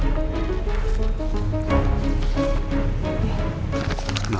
jangan disik bisa gak